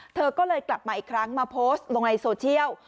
เธอก็เลยกลับมาอีกครั้งมาโพสต์ลงในโซเชียล